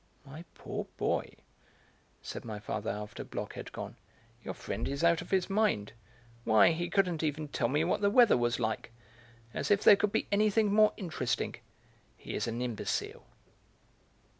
"My poor boy," said my father after Bloch had gone, "your friend is out of his mind. Why, he couldn't even tell me what the weather was like. As if there could be anything more interesting! He is an imbecile."